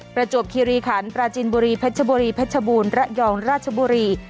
ประจวบคิริขันปราจินบุรีเพชรบุรีเพชรบูรณ์ระยองราชบุรี